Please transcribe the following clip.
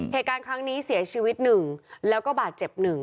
เหตุการณ์ครั้งนี้เสียชีวิต๑แล้วก็บาดเจ็บ๑